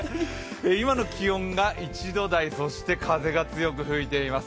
今の気温が１度台、そして風が強く吹いています。